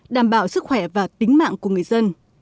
đảm bảo sức khỏe và tính mạng của người dân